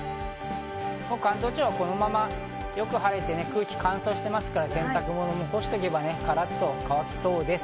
関東地方はこのままよく晴れて空気が乾燥しているので洗濯物も干しておけばカラッと乾きそうです。